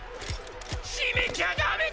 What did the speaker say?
閉めちゃダメだ！！